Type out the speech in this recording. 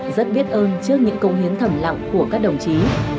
rất biết ơn trước những công hiến thầm lặng của các đồng chí